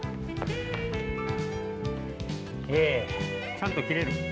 ちゃんときれる？